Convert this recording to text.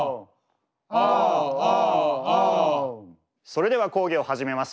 それでは講義を始めます。